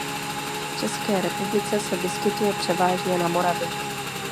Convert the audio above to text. V České republice se vyskytuje převážně na Moravě.